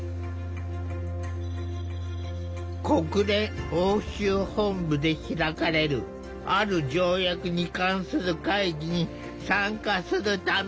国連欧州本部で開かれるある条約に関する会議に参加するためだ。